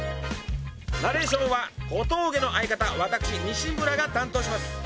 ナレーションは小峠の相方私西村が担当します